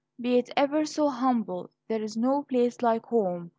"Be it ever so humble, there's no place like home."